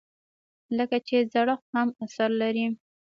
لکه چې زړښت هم اثر لري.